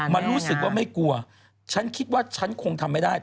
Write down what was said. มันรู้สึกว่าไม่กลัวฉันคิดว่าฉันคงทำไม่ได้